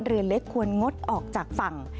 เรือเล็กควรงดออกจากฝั่ง